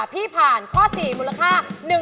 พี่ผ่านข้อ๔มูลค่า